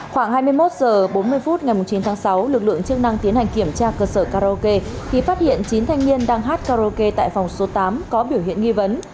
khoảng hai mươi một h bốn mươi phút ngày chín tháng sáu lực lượng chức năng tiến hành kiểm tra cơ sở karaoke thì phát hiện chín thanh niên đang hát karaoke tại phòng số tám có biểu hiện nghi vấn